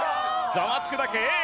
ザワつく！だけＡ。